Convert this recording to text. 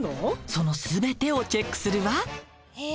その全てをチェックするわ。